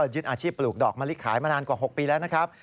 ยึดอาชีพปลูกดอกมะลิขายมานานกว่า๖ปีแล้วนะครับ